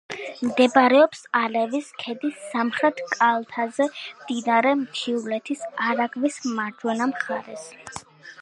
მდებარეობს ალევის ქედის სამხრეთ კალთაზე, მდინარე მთიულეთის არაგვის მარჯვენა მხარეს.